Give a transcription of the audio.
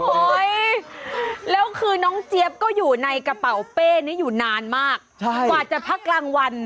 เฮ้ยแล้วคือน้องเจี๊ยบก็อยู่ในกระเป๋าเป้นี้อยู่นานมากกว่าจะพักกลางวัน